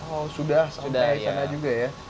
oh sudah sudah di sana juga ya